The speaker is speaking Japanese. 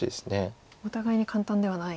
お互いに簡単ではない。